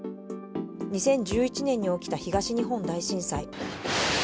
２０１１年に起きた東日本大震災。